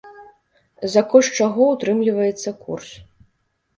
За кошт чаго ўтрымліваецца курс?